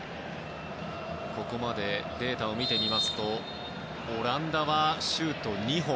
ここまでデータを見てみますとオランダはシュート２本。